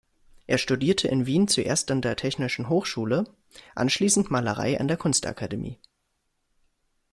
Er studierte in Wien zuerst an der Technischen Hochschule, anschließend Malerei an der Kunstakademie.